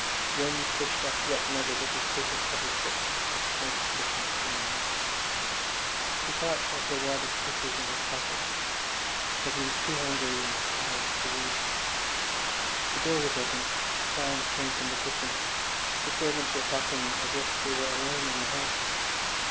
One fished up yet another little paper covered book of smudged looking poems.... He thought of the wad of papers in his pocket, but he was too hungry and tired to read. The door was open; sounds came from the kitchen. The servants were talking as if they were alone in the house.